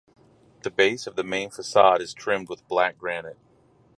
The base of the main facade is trimmed with black granite.